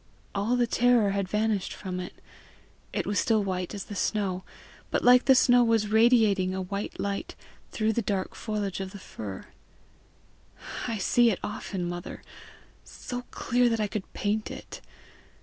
All the terror had vanished from it. It was still white as the snow, but like the snow was radiating a white light through the dark foliage of the fir. I see it often, mother, so clear that I could paint it.